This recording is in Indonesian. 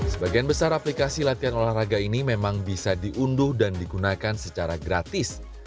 sebagian besar aplikasi latihan olahraga ini memang bisa diunduh dan digunakan secara gratis